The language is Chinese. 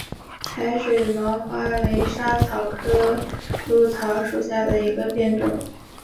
台水毛花为莎草科藨草属下的一个变种。